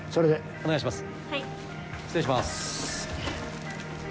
お願いします。